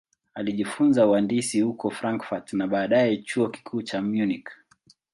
Alijifunza uhandisi huko Frankfurt na baadaye Chuo Kikuu cha Munich.